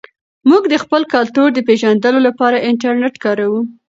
موږ د خپل کلتور د پېژندلو لپاره انټرنیټ کاروو.